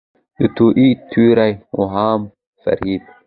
د توطئې تیوري، عوام فریب